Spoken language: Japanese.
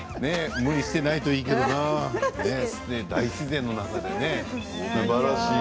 無理していないといいけどな大自然の中で。